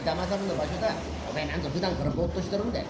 おめえなんぞふだんからボッとしてるんだい。